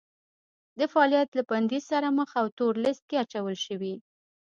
د فعالیت له بندیز سره مخ او تور لیست کې اچول شوي